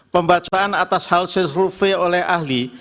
pembacaan atas hasil survei oleh ahli